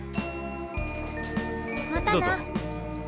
またな。